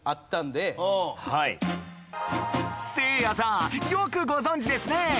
せいやさんよくご存じですね